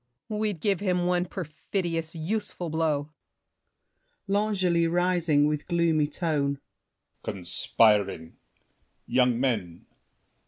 BOUCHAVANNES. We'd give him one perfidious, useful blow! L'ANGELY (rising, with gloomy tone). Conspiring! Young men!